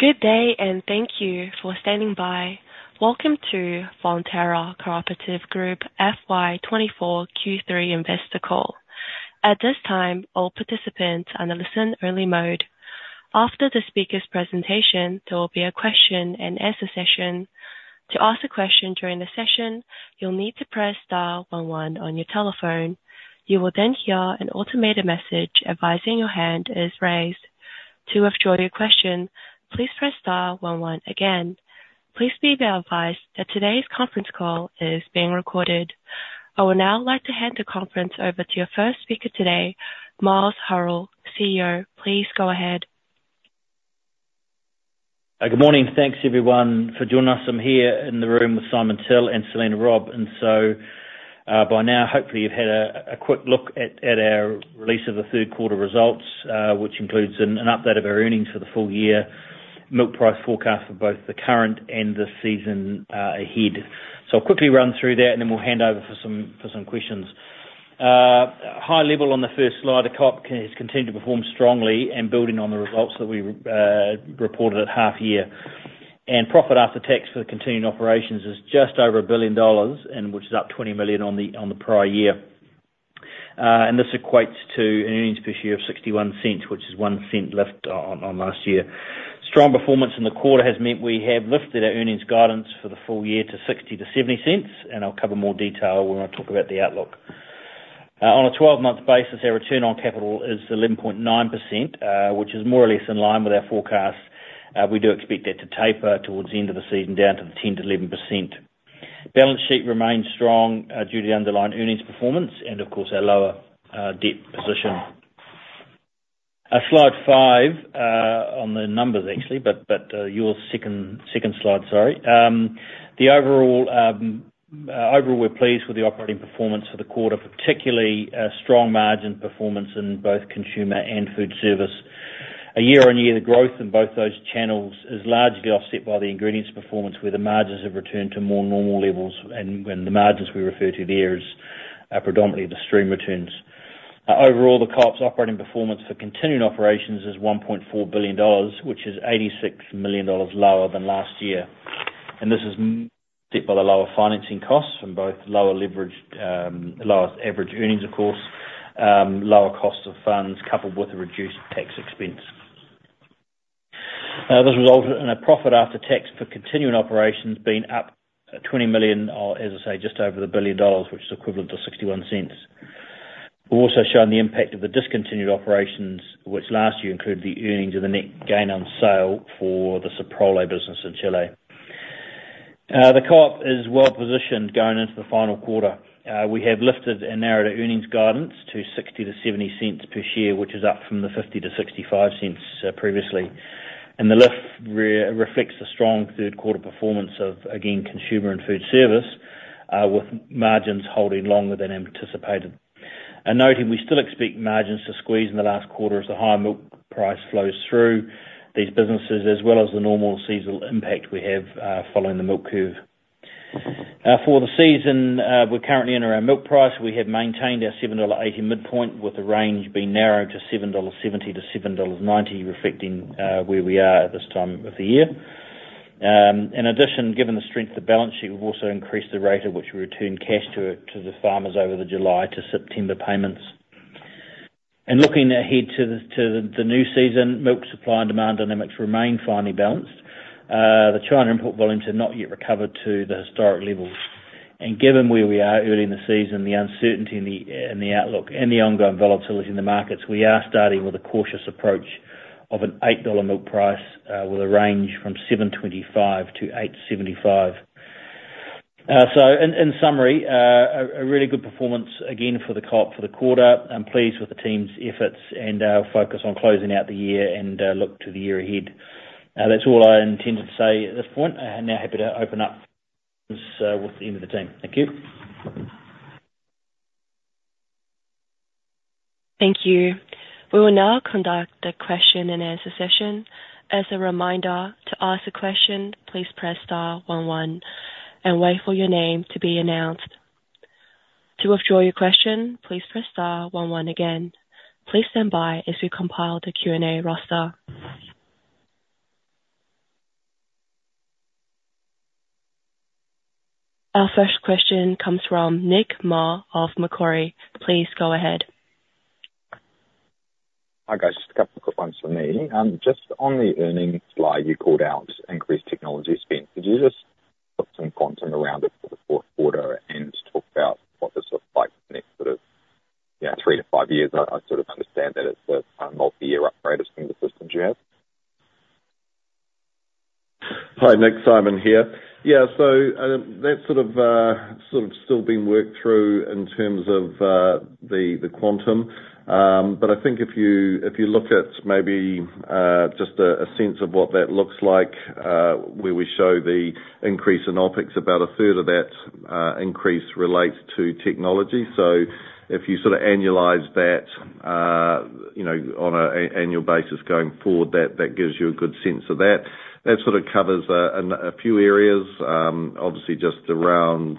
Good day, and thank you for standing by. Welcome to Fonterra Co-operative Group, FY 2024 Q3 Investor Call. At this time, all participants are on a listen-only mode. After the speaker's presentation, there will be a Q&A session. To ask a question during the session, you'll need to press star one one on your telephone. You will then hear an automated message advising your hand is raised. To withdraw your question, please press star one one again. Please be advised that today's conference call is being recorded. I would now like to hand the conference over to your first speaker today, Miles Hurrell, CEO. Please go ahead. Good morning. Thanks, everyone, for joining us. I'm here in the room with Simon Till and Selena Robb. By now, hopefully, you've had a quick look at our release of the third quarter results, which includes an update of our earnings for the full year, milk price forecast for both the current and the season ahead. So I'll quickly run through that, and then we'll hand over for some questions. High level on the first slide, the co-op has continued to perform strongly and building on the results that we reported at half year. Profit after tax for the continuing operations is just over 1 billion dollars, which is up 20 million on the prior year. And this equates to an earnings per share of 0.61, which is one cent lift on last year. Strong performance in the quarter has meant we have lifted our earnings guidance for the full year to 0.60-0.70, and I'll cover more detail when I talk about the outlook. On a 12-month basis, our return on capital is 11.9%, which is more or less in line with our forecast. We do expect that to taper towards the end of the season, down to 10%-11%. Balance sheet remains strong, due to the underlying earnings performance and, of course, our lower debt position. Slide five, on the numbers actually, but your second slide, sorry. Overall, we're pleased with the operating performance for the quarter, particularly a strong margin performance in both consumer and food service. A year-on-year growth in both those channels is largely offset by the ingredients performance, where the margins have returned to more normal levels, and the margins we refer to there is predominantly the stream returns. Overall, the co-op's operating performance for continuing operations is 1.4 billion dollars, which is 86 million dollars lower than last year. This is set by the lower financing costs from both lower leverage, lower average earnings, of course, lower cost of funds, coupled with a reduced tax expense. This resulted in a profit after tax for continuing operations being up 20 million, or as I say, just over 1 billion dollars, which is equivalent to 0.61. We've also shown the impact of the discontinued operations, which last year included the earnings and the net gain on sale for the Soprole business in Chile. The Co-op is well positioned going into the final quarter. We have lifted and narrowed our earnings guidance to 0.60-0.70 per share, which is up from the 0.50-0.65 previously. The lift reflects a strong third quarter performance of, again, consumer and food service, with margins holding longer than anticipated. Noting, we still expect margins to squeeze in the last quarter as the higher milk price flows through these businesses, as well as the normal seasonal impact we have, following the milk curve. For the season, we're currently in our milk price. We have maintained our 7.80 dollar midpoint, with the range being narrowed to 7.70-7.90 dollar, reflecting where we are at this time of the year. In addition, given the strength of the balance sheet, we've also increased the rate at which we return cash to the farmers over the July to September payments. Looking ahead to the new season, milk supply and demand dynamics remain finely balanced. The China import volumes have not yet recovered to the historic levels. Given where we are early in the season, the uncertainty in the outlook and the ongoing volatility in the markets, we are starting with a cautious approach of an 8 dollar milk price, with a range from 7.25-8.75. So in summary, a really good performance, again, for the Co-op for the quarter. I'm pleased with the team's efforts and focus on closing out the year and look to the year ahead. That's all I intended to say at this point. I am now happy to open up with the rest of the team. Thank you. Thank you. We will now conduct the Q&A session. As a reminder, to ask a question, please press star one one and wait for your name to be announced. To withdraw your question, please press star one one again. Please stand by as we compile the Q&A roster. Our first question comes from Nick Mar of Macquarie. Please go ahead. Hi, guys. Just a couple of quick ones from me. Just on the earnings slide, you called out increased technology spend. Could you just put some quantum around it for the fourth quarter, and just talk about what this looks like in the next sort of, you know, three to five years? I sort of understand that it's a multi-year upgrade of some of the systems you have. Hi, Nick, Simon here. Yeah, so that's sort of still being worked through in terms of the quantum. But I think if you look at maybe just a sense of what that looks like, where we show the increase in OpEx, about a third of that increase relates to technology. So if you sort of annualize that, you know, on an annual basis going forward, that gives you a good sense of that. That sort of covers a few areas, obviously just around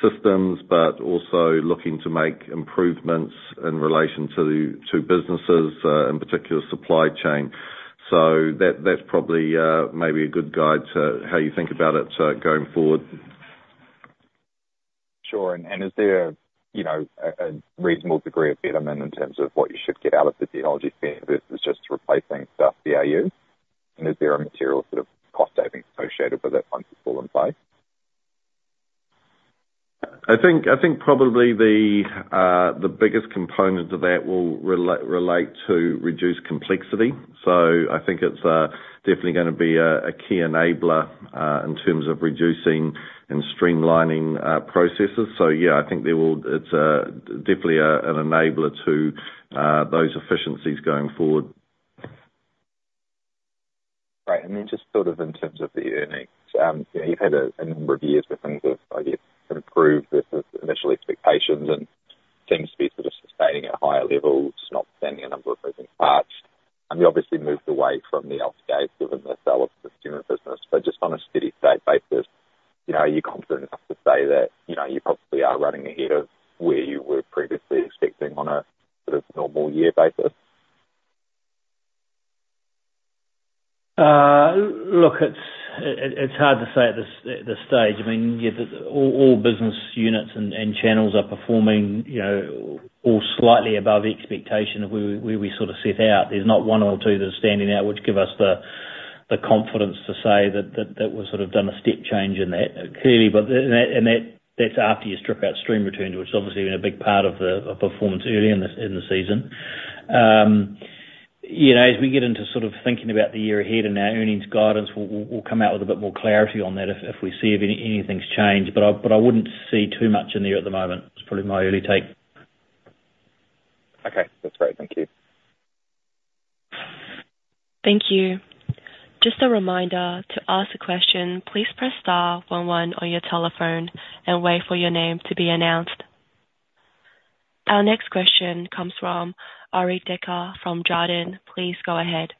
systems, but also looking to make improvements in relation to the businesses, in particular, supply chain. So that's probably maybe a good guide to how you think about it going forward. Sure. And is there, you know, a reasonable degree of betterment in terms of what you should get out of the technology versus just replacing stuff, the BAU? And is there a material sort of cost saving associated with it once it's all in place? I think, I think probably the biggest component of that will relate to reduced complexity. So I think it's definitely gonna be a key enabler in terms of reducing and streamlining processes. So yeah, I think it's definitely an enabler to those efficiencies going forward. Right. And then just sort of in terms of the earnings, you've had a number of years where things have, I guess, improved versus initial expectations and seems to be sort of sustaining at higher levels, notwithstanding a number of moving parts. And you obviously moved away from the outages within the sale of the consumer business. But just on a steady state basis, you know, are you confident enough to say that, you know, you probably are running ahead of where you were previously expecting on a sort of normal year basis? Look, it's hard to say at this stage. I mean, yeah, all business units and channels are performing, you know, all slightly above expectation of where we sort of set out. There's not one or two that are standing out, which give us the confidence to say that we've sort of done a step change in that, clearly. But then and that, that's after you strip out stream returns, which has obviously been a big part of performance early in the season. You know, as we get into sort of thinking about the year ahead and our earnings guidance, we'll come out with a bit more clarity on that if we see if anything's changed. But I wouldn't see too much in there at the moment, is probably my early take. Okay, that's great. Thank you. Thank you. Just a reminder, to ask a question, please press star one one on your telephone and wait for your name to be announced. Our next question comes from Arie Dekker from Jarden. Please go ahead.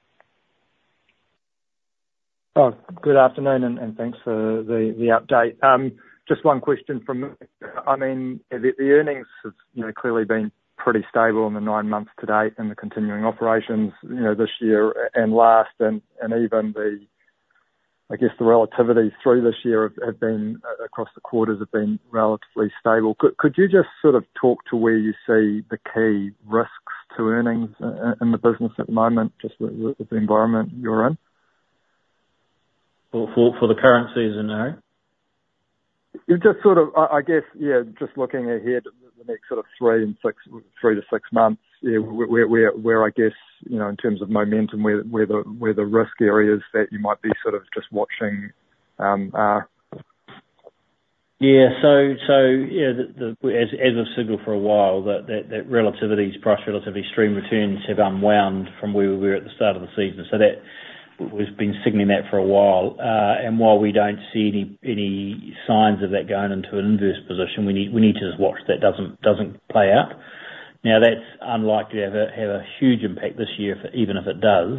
Good afternoon, and thanks for the update. Just one question from me. I mean, the earnings has, you know, clearly been pretty stable in the nine months to date, and the continuing operations, you know, this year and last, and even the, I guess, the relativity through this year have been across the quarters, have been relatively stable. Could you just sort of talk to where you see the key risks to earnings in the business at the moment, just with the environment you're in? For the currencies, you know? Just sort of, I guess, yeah, just looking ahead at the next sort of three to six months, yeah, where, I guess, you know, in terms of momentum, the risk areas that you might be sort of just watching, are? Yeah. So yeah, as I've signaled for a while, that relativity's price relativity stream returns have unwound from where we were at the start of the season. So that... We've been signaling that for a while. And while we don't see any signs of that going into an inverse position, we need to just watch that doesn't play out. Now, that's unlikely to have a huge impact this year, for even if it does,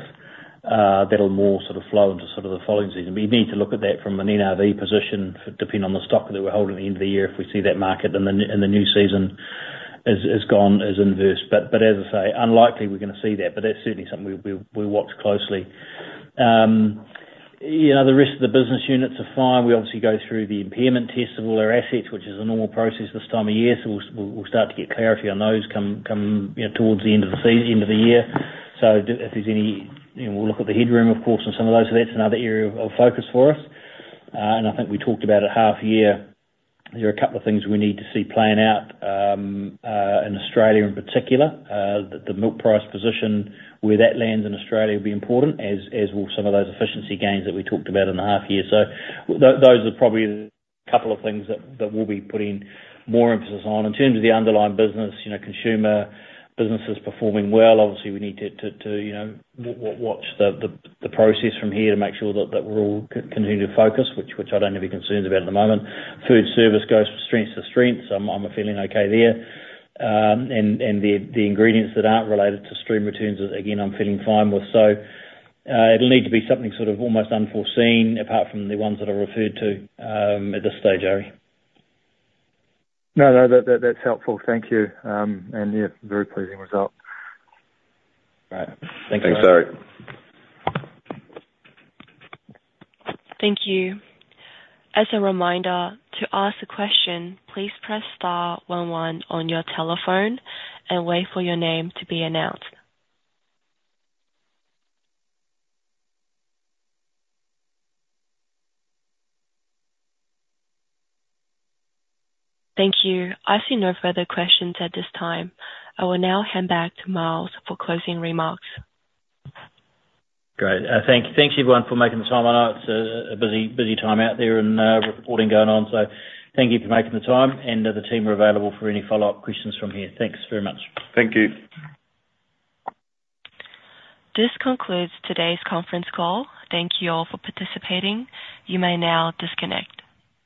that'll more sort of flow into sort of the following season. We need to look at that from an NRV position, depending on the stock that we hold at the end of the year, if we see that market, then the new season is gone is inverse. But as I say, unlikely we're gonna see that, but that's certainly something we'll watch closely. You know, the rest of the business units are fine. We obviously go through the impairment tests of all our assets, which is a normal process this time of year, so we'll start to get clarity on those come you know towards the end of the season, end of the year. So if there's any, and we'll look at the headroom, of course, and some of those, so that's another area of focus for us. And I think we talked about at half year, there are a couple of things we need to see playing out, in Australia in particular. The milk price position, where that lands in Australia will be important, as will some of those efficiency gains that we talked about in the half year. So those are probably a couple of things that we'll be putting more emphasis on. In terms of the underlying business, you know, consumer business is performing well. Obviously, we need to you know watch the process from here to make sure that we're all continuing to focus, which I don't have any concerns about at the moment. Food service goes from strength to strength, so I'm feeling okay there. And the ingredients that aren't related to stream returns, again, I'm feeling fine with. So, it'll need to be something sort of almost unforeseen, apart from the ones that I referred to, at this stage, Arie. No, no, that, that, that's helpful. Thank you. And yeah, very pleasing result. All right. Thanks, Arie. Thank you. As a reminder, to ask a question, please press star one one on your telephone and wait for your name to be announced. Thank you. I see no further questions at this time. I will now hand back to Miles for closing remarks. Great. Thanks everyone for making the time. I know it's a busy, busy time out there and reporting going on, so thank you for making the time, and the team are available for any follow-up questions from here. Thanks very much. Thank you. This concludes today's conference call. Thank you all for participating. You may now disconnect.